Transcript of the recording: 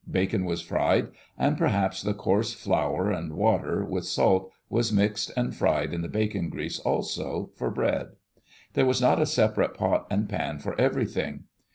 Bacon was fried; and perhaps the coarse flour and water, with salt, was mixed and fried In the bacon grease also, for bread. There was not a separate pot and pan for everything.